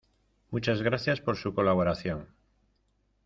Muchas gracias por su colaboración.